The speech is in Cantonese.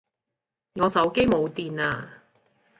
我手機冇電呀